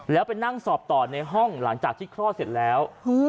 แล้วไปนั่งสอบต่อในห้องหลังจากที่คลอดเสร็จแล้ว